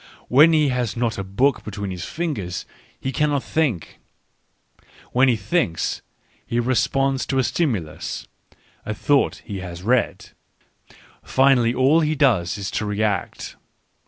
When he has not a book between his fingers he cannot think. When he thinks, he responds to a stimulus (a thought he has read), — finally all he does is to react.